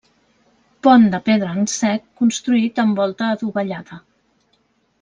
Pont de pedra en sec construït amb volta adovellada.